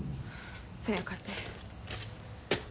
そやかて。